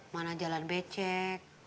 mana jalan becek